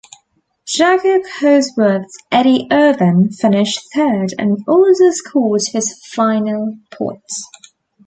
Jaguar-Cosworth's Eddie Irvine finished third and also scored his final points.